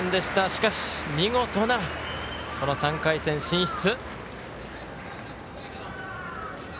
しかし見事なこの３回戦進出。